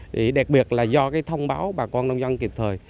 thì đặc biệt là do cái thông báo bà con nông dân kịp thời